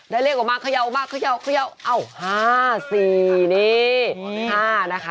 ได้เลขกว่ามาขยาวมาขยาวขยาวเอ้าห้าสี่นี่ห้านะคะ